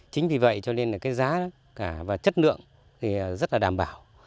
chính vì vậy cho nên là cái giá và chất lượng rất là đảm bảo